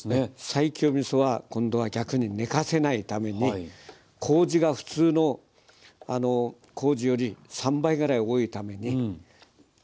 西京みそは今度は逆に寝かせないためにこうじが普通のこうじより３倍ぐらい多いために砂糖が要らないんですよ。